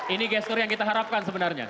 ini gestur yang kita harapkan sebenarnya